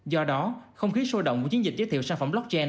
do đó không khí sôi động của chiến dịch giới thiệu sản phẩm blockchain